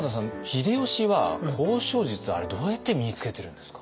秀吉は交渉術あれどうやって身につけてるんですか？